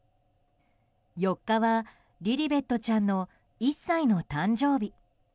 ４日はリリベットちゃんの１歳の誕生日。